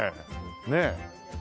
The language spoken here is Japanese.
ねえ。